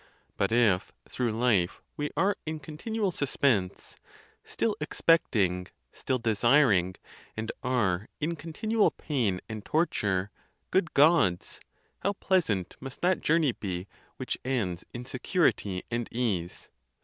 But if, through life, we are in continual suspense, still expecting, still desiring, and are in continual pain and torture, good Gods! how pleasant must that journey be which ends in security and ease!